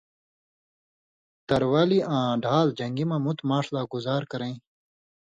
تروالیۡ آں ڈھال جنگی مہ مُت ماݜ لا گُزار کرَیں